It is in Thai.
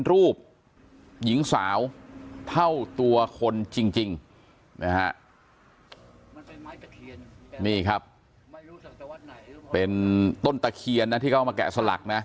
รูปหญิงสาวเท่าตัวคนจริงนี่ครับเป็นต้นตะเคียนที่เขามา